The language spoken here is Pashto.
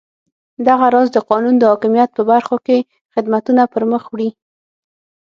دغه راز د قانون د حاکمیت په برخو کې خدمتونه پرمخ وړي.